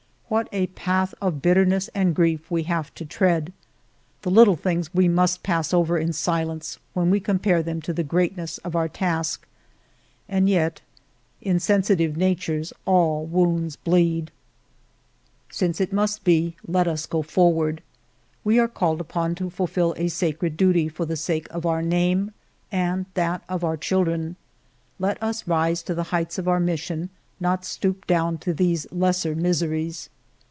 What a path of bitterness and grief we have to tread ! The little things we must pass over in silence when we compare them to the greatness of our task, and yet in sensitive natures all w^ounds bleed. 244 FIVE YEARS OF MY LIFE " Since it must be, let us go forward. We are called upon to fulfil a sacred duty for the sake of our name, and that of our children. Let us rise to the heights of our mission, not stoop down to these lesser miseries.